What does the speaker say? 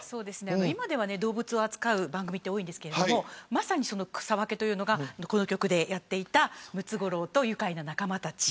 今では動物を扱う番組は多いですがまさに、その草分けというのがこの局でやっていたムツゴロウとゆかいな仲間たち。